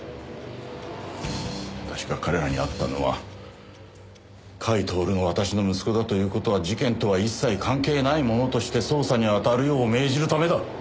私が彼らに会ったのは甲斐享が私の息子だという事は事件とは一切関係ないものとして捜査にあたるよう命じるためだ。